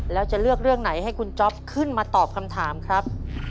แล้วจะเลือกเรื่องไหนให้คุณจ๊อปขึ้นมาตอบคำถามครับ